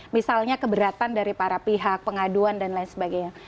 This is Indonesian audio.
misalnya keberatan dari para pihak pengaduan dan lain sebagainya